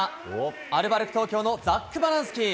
アルバルク東京のザック・バランスキー。